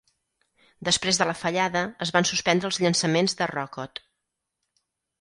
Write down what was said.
Després de la fallada, es van suspendre els llançaments de Rockot.